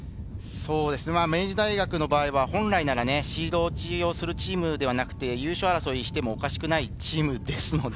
明治大学の場合は本来なら、シード落ちをするチームではなくて優勝争いをしても、おかしくないチームです。